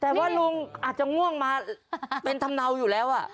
แต่ว่าลุงอาจจะง่วงมาเป็นทำเนาอยู่แล้ว